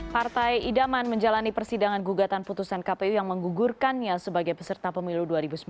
partai idaman menjalani persidangan gugatan putusan kpu yang menggugurkannya sebagai peserta pemilu dua ribu sembilan belas